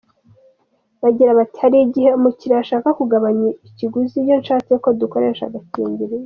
Bagira bati “ Hari igihe umukiriya ashaka kugabanya ikiguzi iyo nshatse ko dukoresha agakingirizo.